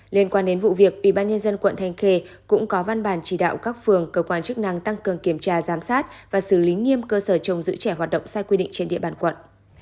liên quan đến vụ việc ubnd quận thanh khê cũng có văn bản chỉ đạo các phường cơ quan chức năng tăng cường kiểm tra giám sát và xử lý nghiêm cơ sở trồng giữ trẻ hoạt động sai quy định trên địa bàn quận